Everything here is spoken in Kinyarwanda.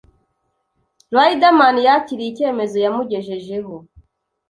Riderman yakiriye icyemezo yamugejejeho